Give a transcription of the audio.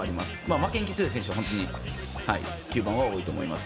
負けん気が強い選手は本当に９番が多いと思います。